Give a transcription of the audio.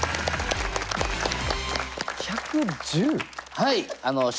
はい。